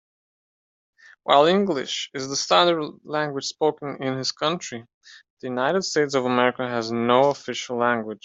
While English is the standard language spoken in his country, the United States of America has no official language.